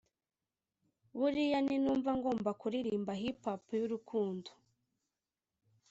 buriya ninumva ngomba kuririmba Hip Hop y’urukundo